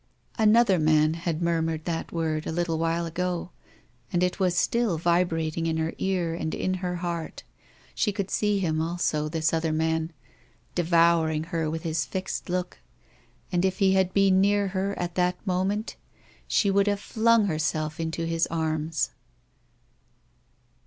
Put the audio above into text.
Another man had murmured that word a little while ago, and it was still vibrating in her ear and in her heart. She could see him also, this other man, devouring her with his fixed look; and, if he had been near her at that moment, she would have flung herself into his arms!